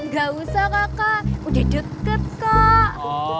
gak usah kakak udah deket kak